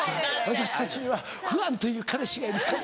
「私たちにはファンという彼氏がいるから」